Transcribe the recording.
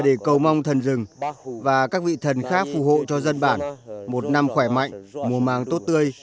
để cầu mong thần rừng và các vị thần khác phù hộ cho dân bản một năm khỏe mạnh mùa màng tốt tươi